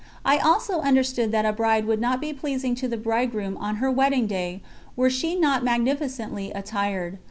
I also understood that a bride would not be pleasing to the bridegroom on her wedding day were she not magnificently attired.